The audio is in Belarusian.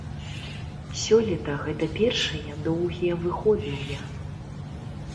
Сёлета гэта першыя доўгія выходныя.